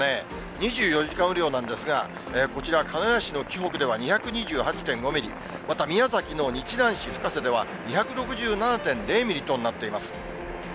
２４時間雨量なんですが、こちら、鹿屋市の輝北では２２８．５ミリ、また宮崎の日南市深瀬では、２６７．０ミリとなっています。